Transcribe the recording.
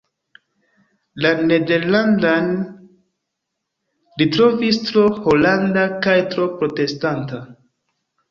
La nederlandan li trovis tro holanda kaj tro protestanta.